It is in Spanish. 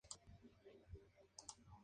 Condado de Orleans